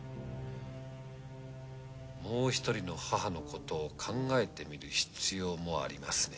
もう１人の母のことを考えてみる必要もありますね。